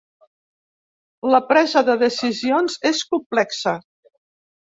La presa de decisions és complexa.